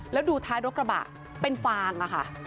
แล้วดูท้ายรถกระบะเป็นฟางอะค่ะ